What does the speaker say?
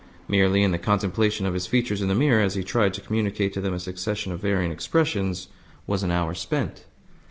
Merely in the contemplation of his features in the mirror, as he tried to communicate to them a succession of varying expressions, was an hour spent.